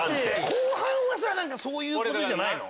後半はそういうことじゃないの？